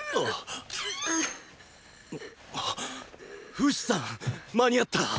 ・フシさん間に合った！